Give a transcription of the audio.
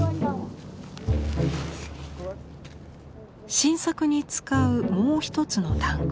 新作に使うもう一つのタンク。